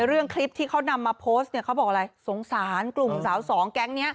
ส่วนเรื่องคลิปที่เขานำมาโพสต์เขาบอกอะไรสงสารกลุ่มสาวสอง